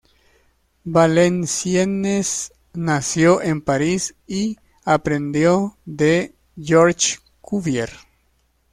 Valenciennes nació en París, y aprendió de Georges Cuvier.